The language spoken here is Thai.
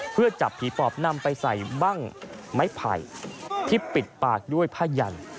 เพื่อจับผีปอบนำไปใส่บ้างไม้ไผ่ที่ปิดปากด้วยผ้ายัน